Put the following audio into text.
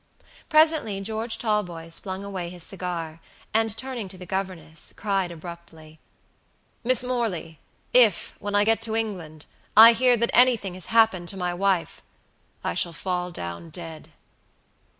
Presently George Talboys flung away his cigar, and turning to the governess, cried abruptly, "Miss Morley, if, when I get to England, I hear that anything has happened to my wife, I shall fall down dead."